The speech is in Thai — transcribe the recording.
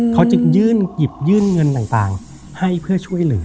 เขาจะยื่นหยิบยื่นเงินต่างให้เพื่อช่วยเหลือ